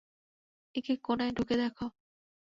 এক এক কোনায় ঢুকে দেখ!